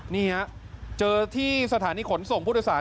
นี่เจอที่สถานีขนส่งพุทธศาสตร์